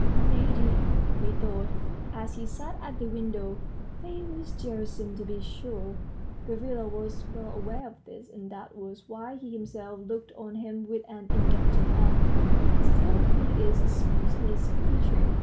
"My lady," he thought, as he sat at the window, "favors Gerasim, to be sure" (Gavrila was well aware of this, and that was why he himself looked on him with an indulgent eye) "still he is a speechless creature.